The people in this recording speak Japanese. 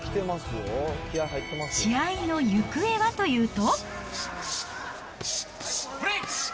試合の行方はというと。